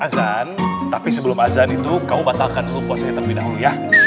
azan tapi sebelum azan itu kamu batalkan dulu puasanya terlebih dahulu ya